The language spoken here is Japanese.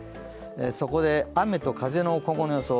そこで雨と風の今後の予想。